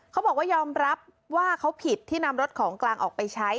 เขาบอกว่ายอมรับว่าเขาผิดที่นำรถของกลางออกไปใช้